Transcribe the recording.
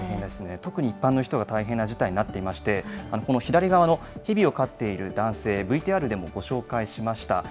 特に一般の人が大変な事態になっていまして、この左側のヘビを飼っている男性、ＶＴＲでもご紹介しました。